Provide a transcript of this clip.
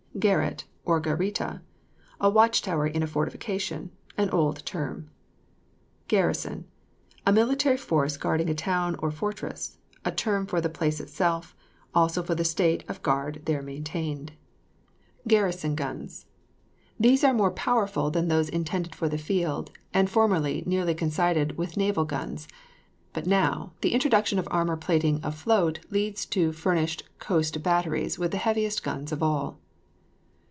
GARRET, OR GARITA. A watch tower in a fortification; an old term. GARRISON. A military force guarding a town or fortress; a term for the place itself; also for the state of guard there maintained. GARRISON GUNS. These are more powerful than those intended for the field; and formerly nearly coincided with naval guns; but now, the introduction of armour plating afloat leads to furnishing coast batteries with the heaviest guns of all.